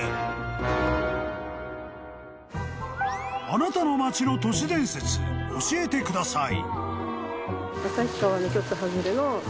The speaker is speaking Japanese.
［あなたの街の都市伝説教えてください］